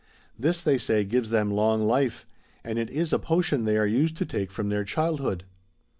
This, they say, gives them long life; and it is a potion they are used to take from their ciiildhood.'